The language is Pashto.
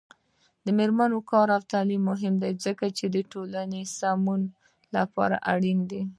د میرمنو کار او تعلیم مهم دی ځکه چې ټولنې سمون لپاره اړین دی.